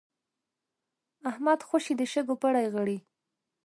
احمد خوشی د شګو پړي غړي.